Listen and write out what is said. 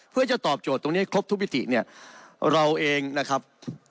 เพื่อจะตอบโจทย์ตรงนี้ให้ครบทุกมิติเนี่ยเราเองนะครับ